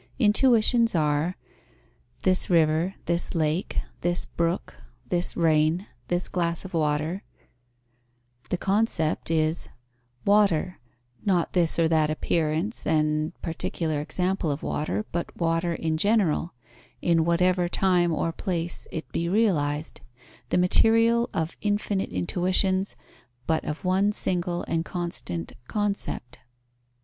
Intuitions are: this river, this lake, this brook, this rain, this glass of water; the concept is: water, not this or that appearance and particular example of water, but water in general, in whatever time or place it be realized; the material of infinite intuitions, but of one single and constant concept.